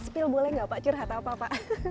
spill boleh nggak pak curhat apa pak